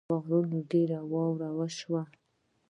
په غرونو ډېره واوره وشوه